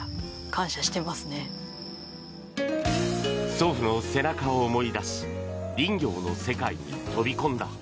祖父の背中を思い出し林業の世界に飛び込んだ。